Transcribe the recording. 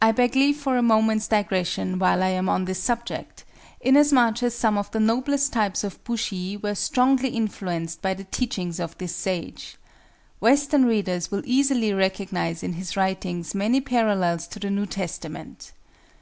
I beg leave for a moment's digression while I am on this subject, inasmuch as some of the noblest types of bushi were strongly influenced by the teachings of this sage. Western readers will easily recognize in his writings many parallels to the New Testament.